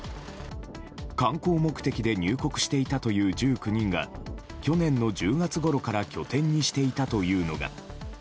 観光目的で入国していたという１９人が去年の１０月ごろから拠点にしていたというのが。